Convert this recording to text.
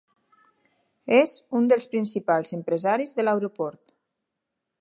És un dels principals empresaris de l'aeroport.